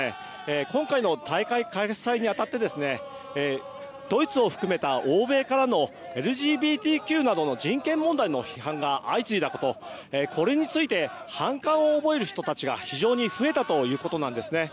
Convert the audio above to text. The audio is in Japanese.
今回の大会開催に当たってドイツを含めた欧米からのＬＧＢＴＱなどの人権問題の批判が相次いだことこれについて反感を覚える人たちが非常に増えたということです。